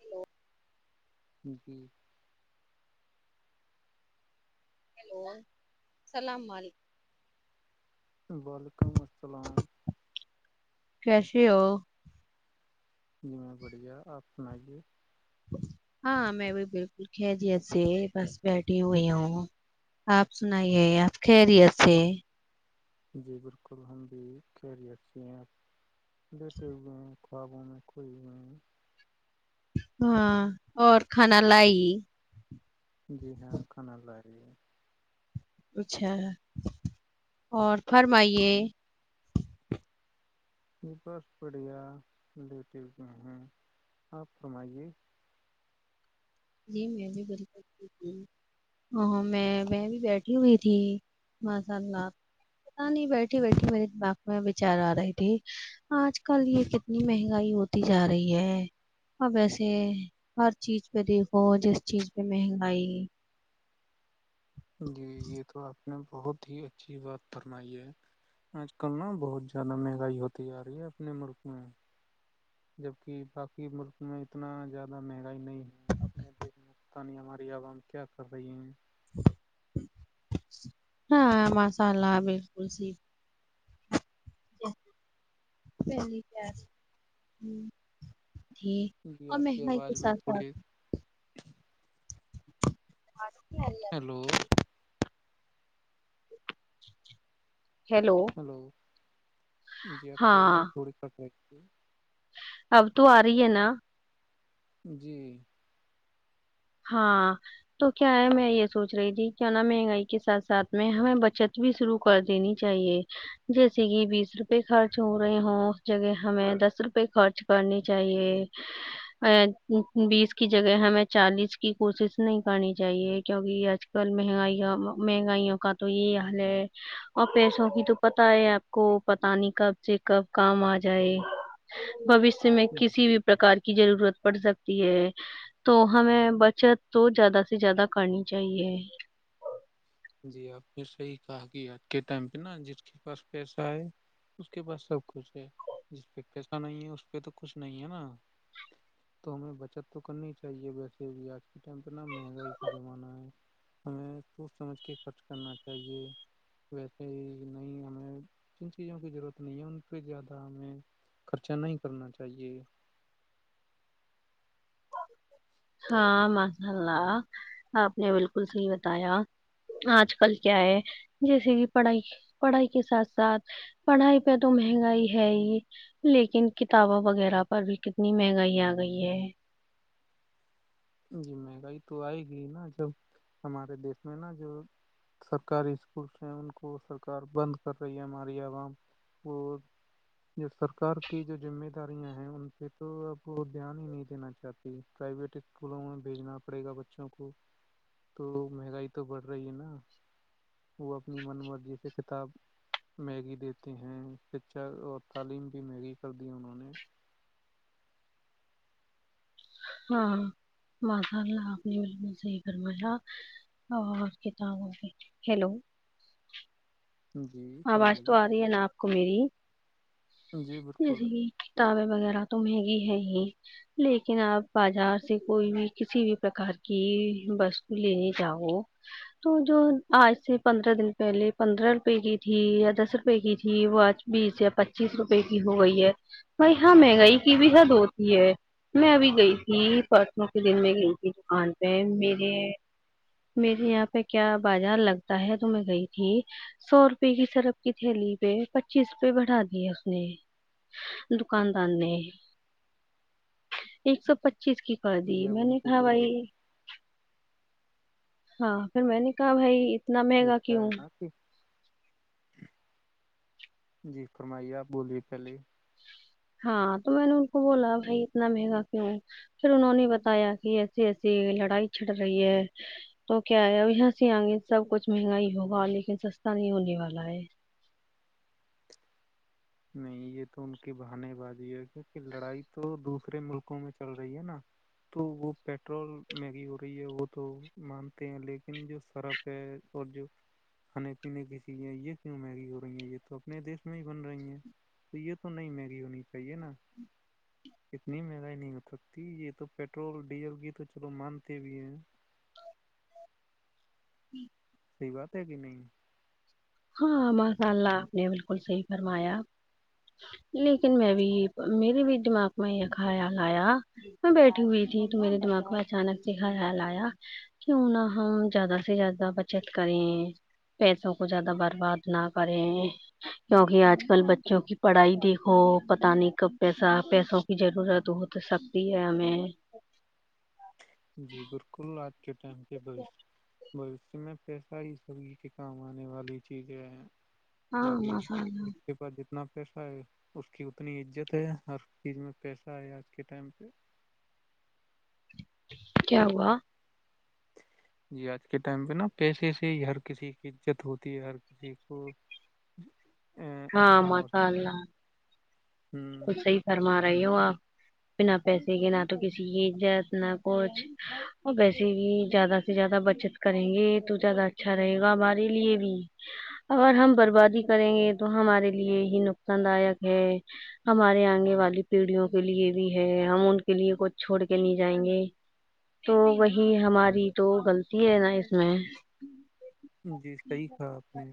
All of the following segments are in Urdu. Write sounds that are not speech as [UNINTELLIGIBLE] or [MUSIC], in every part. ہلو جی ہیلو اللام علیکم بال کا چلان کیسے ہو جی میں بڑھیا آپ سنائیے ہاں میں بھی بالکل خیریت سے بس بیٹھی ہوئی ہوں آپ سنائیے آپ خیریت سے جی بالکل ہم بھی کیری اچھی ہیں آپ بیھے ہوئے ہیں خوابوں میں کوئی بھی نہیں ہاں اور کھانا لائی جی ہاں کھانا لا رہی ہے اچھا اور فرمائیے ج بس بڑھیا رلیٹیو میں ہیں آپ فمائیے جی میں بھی بالک ت میں میں بھی بیٹھی ہوئی تھی مشاء ال پت نہیں بیٹھی بیٹھی میرے دماغ میں بچار آ رہے تھی آج کل یہ کتنی مہنگائی ہوتی جا رہی ہے اور ویسے ہر چیز پہ دیکھ وہ جس چیز پ مہنگائی جی یہ تو آپ بہت ہی اچھی بات فرمائی ہے آج کل نا بہت زیادہ مہنگائی ہوتی آ رہی ہے اپنے ملک میں جبک باقی ملک میں اتنا زیادہ مہنگائی نہیں ہے اپنے دھ میںتانی ہماری عوام کیا کر رہی ہیں ہاں ماشاء اللہ بالکل جی میں نہیں خ ہ جی اور آپ کی مہنگائی کے آواز میں ساتھ تھوڑی ساتھ ا [INAUDIBLE] ہیلو ہیلو ہلو جی آپ کی آواز ہاں تھوڑی کٹ [INAUDIBLE] اب تو آ رہی ہے نا جی ہاں تو کیا ہے میں یہ سوچ رہی تھی کی نہ مہنگائی کے ساتھ ساتھ میں ہمیں بچت بھی شروع کر دینی چاہیے جیسے کہ بیس روپے خرچ ہو رہے ہ اس جگہ ہمیں دس روپے خرچ کرنے چاہیے ا بیس کی جگہ ہمیں چالیس کی کوشش نہیں کرنی چاہیے کیوںکہ آج کل مہنگائی مہنگائیوں کا تو یہی حال ہے اور پیسوں کی تو پت ہے آپ کو پتا نہیں کب سے کب کام آ جائے بش میں کسی کی ضرورت پڑ سکتی ہے تو ہمیں بچت تو زیادہ سے زیادہ کرنی چاہیے جی آپ نے صحیح کہا کہ آج کے ٹائم پہ نا جس کے پاس پیسہ ہے اس کے پاس سب کچھ ہے جس پہ پیسہ نہیں ہے اس پہ تو کچھ نہیں ہے نا تو ہمیں بچت تو کرنی چاہیے ویسے آج کے ٹائم پہ نا مہنگائی کا زمانہ ہے ہمیں سوچ سمجھ کے خرچ کرنا چاہیے ویسے ہی نہیں ہمیں جن چیزوں کی ضرورت نہیں ہے ان پہ زیادہ ہمیں خرچا نہیں کرنا چاہیے ہاں [UNINTELLIGIBLE] [UNINTELLIGIBLE] ہاں مشاء اللہ آپ نے بالکل صحی فرمایا اور کتابوں ہیلو جی فرمائیے [INAUDIBLE] جی بالکل [INAUDIBLE] [UNINTELLIGIBLE] [UNINTELLIGIBLE] میری طرف چچکی کر دی جی اب میں ان نے کو کھا کوئی بائی روک یہ کیا ہے [INAUDIBLE] [UNINTELLIGIBLE] نا کہ جی فرمائیے آپ بولیے پہلے ہا نہیں تو یہ تو نہیں مہنگی ہونی چاہیے نا اتنی مما مہنگائی نہیں ہو سکتی یہ تو پیٹرول ڈیزل کی تو چلو مانتے بھی ہیں ہوں صحیح بات ہے کہ نہیں [UNINTELLIGIBLE] ز برباد نہ کریں کیوںکہ آج کل بچوں کی پڑھائی دیکھو پتہ نہیں کب پیسہ پیسوں کی ضرورت ہو سکتی ہے ہمیں جی بالکل [INAUDIBLE] ب اس میں پیسہ ہی سبھی کے کام آنے والی چیزیں ہیں ہاں باقی ماشاء اللہ رشتے پر جتنا پیسہ ہے اس کی اتنی عزت ہے ہر چیز میں پیسہ ہے آج کے ٹائم پہ کیا ہوا جی آج کے ٹائم پہ نا پیسے سے ہی ہر کسی کی عزت ہوتی ہے ہر کسی کو ہاں اچھا ما اور شا اللہ ہ بلکل صحیح فرما رہے رہی ہو آپ بنا پیسے کے نہ تو کسی کی عزت نہ کچھ اور پیسے بھی زیادہ سے زیادہ بچت کریں گے تو زیادہ اچھا رہے گا ہمارے لیے بھی اگر ہم بربادی کریں گے تو ہمارے لیے ہی نقصان دایک ہے ہمارے آگنے والی پیڑھیوں کے لیے بھی ہے ہم ان کے لیے کچھ چھوڑ کے نہیں جائیں گے تو وہی ہماری تو غلط ہے نا اس میں جی صحیح کہا آپ نے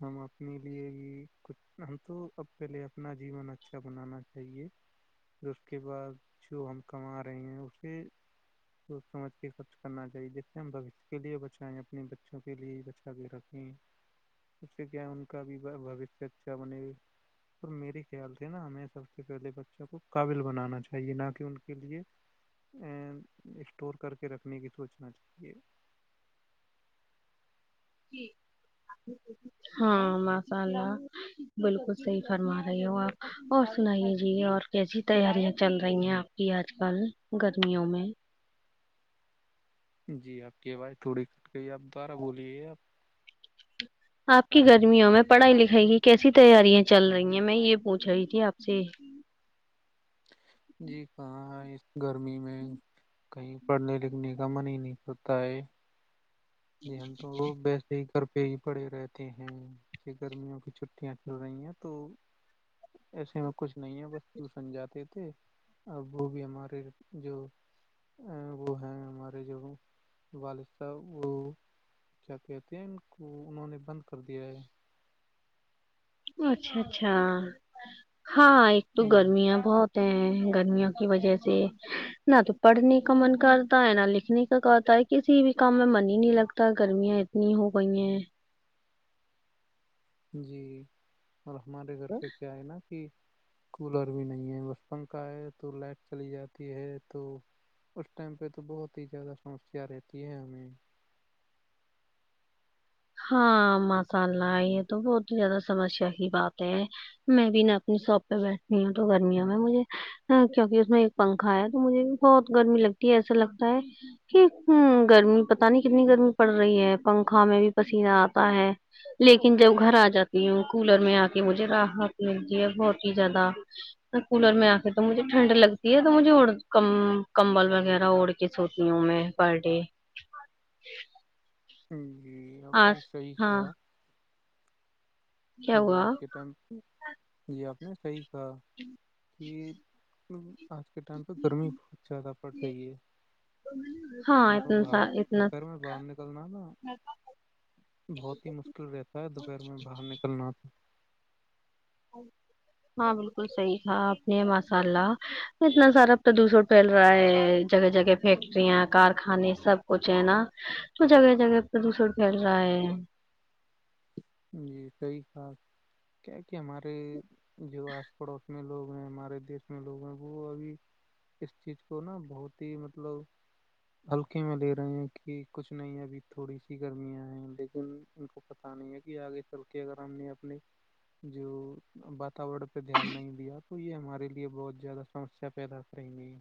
ہم اپنے لیے بھی کچھ ہم تو اب پہلے اپنا جیون اچھا بنانا چاہیے پھر اس کے بعد جو ہم کما رہے ہیں اسے سوچ سمجھ کے خرچ کرنا چاہیے جیسے ہم بھو شیہ کے لیے بچائیں اپنے بچوں کے لیے بچا کے رکھیں اس سے کیا ہے ان کا بھی بھویش اچھا بنےا اور میرے خیال سے نا ہمیں سب سے پہلے بچوں کو قابل بنانا چاہیے نہ کہ ان کے لیے ا اسٹور کر کے رکھنے کی سوچنا چاہے ہاں ما شا اللہ بالکل صحیح فرما رہے ہو آپ اور سنائیے جی اور کیسی تیاریاں چل رہی ہیں آپ کی آج کل گرمیوں میں جی آپ کی آواز تھوڑی کٹ گئی آپ دوبارہ بولیے آپ آپ کی گرمیوں میں پڑھائی لکھائی کی کیسی تیاریاں چل رہی ہیں میں یہ پوچھ رہی تھی آپ سے جی کہاں گرمی میں کہیں پڑھنے لکھنے کا من ہی نہیں پتا ہے جی ہم تو وہ بیسک ہی گھر پہ ہی پڑے رہتے ہیں کہ گرمیوں کی چھٹیاں چل رہی ہیں تو ایسے میں کچھ نہیں ہے بس ٹیو شن جاتے تھے ا وہ بھی ہمارے جو وہ ہیں ہمارے جو والد صاحب وہ کیا کہتے ہیں ان کو انہوں نے بند کر دیا ہے اچھا اچھا ہاں ایک تو جی گرمی ہے بہت ہیں گرمییاوں کی وجہ سے نہ تو پڑھنے کا من کرتا ہے نہ لکھنے کا کرتا ہے کسی بھی کام میں من ہی نہیں لگتا گرمیاں اتنی ہو گئی ہیں جی اور ہمارے گھر پہ کیا ہے نا کہ کولر بھی نہیں ہے بس پنکھا ہے تو لائٹ چلی جاتی ہے تو اس ٹائم پہ تو بہت ہی زیادہ سمسیا رہتی ہے ہمیں ہاں ماشاء اللہ یہ تو بہت زیادہ سمسیا کی بات ہے میں بھی ن اپنی شاپ پہ بیٹھتی ہوں تو گرمیاوں میں مجھے کیوںکہ اس میں ایک پنکھا ہے تو مجھے بہت گرمی لگتی ہے ایسا لگتا ہے کہ ہ گرمی پتہ نہیں کتنی گرمی پڑ رہی ہے پنکھا میں بھی پسینہ آتا ہے لیکن جب گھر آ جاتی ہوں کولر میں آ کے مجھے راحت ملتی ہے بہت ہی زیادہ کولر میں آ کے تو مجھے ٹھنڈ لگتی ہے تو مجھے ا ک کمبل وغیرہ اوڑ کے سوتی ہوں میں پر ڈے ہوں [UNINTELLIGIBLE] جی آپ نے آج صحیح ہاں کہا کیا ہوا آج کے ٹائم پہ جی آپ نہیں صحی کہ [UNINTELLIGIBLE] نہیں [UNINTELLIGIBLE] آج کے ٹائم پہ گرمی بہت زیادہ پڑ گئی ہے ہاں اتنا سا باہر اتنا دوپہر میں باہر نکلنا نا بہت ہی مشکل رہتا ہے دوپہر میں باہر نکل الپ [UNINTELLIGIBLE] ہاں بالکل صحیح تھا آ نے ماشاء اللہ اتنا سارا پردوشن پھیل رہا ہے جگہ جگہ فیکٹریاں کارخانے سب کچھ ہے نا وہ جگہ جگہ پردوشن پھیل رہا ہے جی صحیح کا کیا کہ ہمارے جو آس پڑوس میں لوگ ہیں ہمارے دیس میں لوگ ہیں وہ ابھی اس چیز کو نا بہت ہی مطلب ہلکے میں لے رہے ہیں کہ کچھ نہیں ابھی تھوڑی سی گرمیاں ہیں لیکن ان کو پت نہیں ہے آگے چل کے اگر ہم نے اپنے جو واتور اس پہ دھیان نہیں دیا تو یہ ہمارے لیے بہت زیادہ سمسیا پیدا کریں گ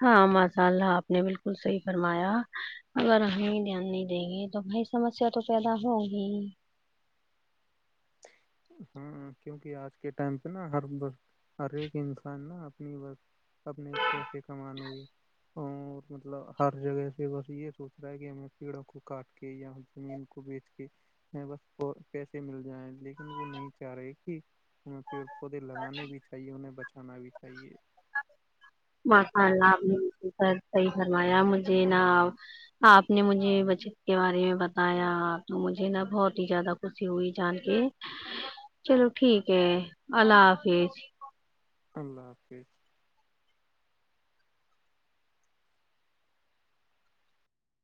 ہاں ماشاء اللہ آپ نے بالکل صحیح فرمایا اگر ہمیں دھیان نہیں دیں گے تو بھائی سمسیا تو پیدا ہوگی ہاں کیونکہ آج کے ٹائم پہ نا ہر ہر ایک انسان نا اپنی ب اپنے پیسے کمانے اور مطلب ہر جگہ سے بس یہ سوچ رہا ہے کہ ہمیں پیڑوں کو کاٹ کے یا زمین کو بیچ کے ہم بس پیسے مل جائیں لن وہ نہیں چاہ رہے کہ ج [UNINTELLIGIBLE] ے لگانے بھی چاہیے انہیں بچانا بھی صی مشء اللہ آپ نے صحیح فرمایا مجھے نا آپ نے مجھے بچت کے بارے میں بتایا آپ تو مجھے نا بہت ہی زیادہ خوشی ہوئی جان کے چلو ٹھیک ہے اللہ حافظ اللہ حافظ